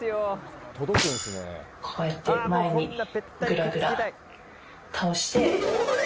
こうやって前にグラグラ倒して。